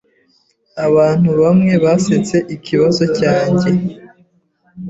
Abantu bamwe basetse ikibazo cyanjye.